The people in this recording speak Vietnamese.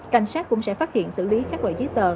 cảnh sát cũng sẽ phát hiện xử lý các loại giấy tờ